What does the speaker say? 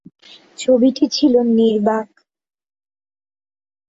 ছবিটি ছিল নির্বাক।